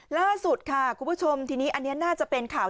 ล่าสุดค่ะคุณผู้ชมทีนี้อันนี้น่าจะเป็นข่าว